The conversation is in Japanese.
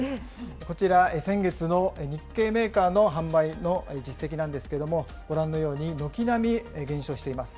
こちら、先月の日系メーカーの販売の実績なんですけれども、ご覧のように軒並み減少しています。